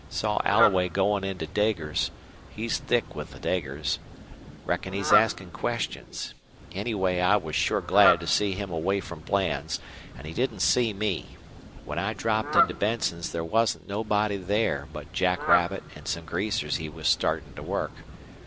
Saw Alloway goin' into Deger's. He's thick with the Degers. Reckon he's askin' questions. Anyway, I was sure glad to see him away from Bland's. An' he didn't see me. When I dropped into Benson's there wasn't nobody there but Jackrabbit an' some greasers he was startin' to work.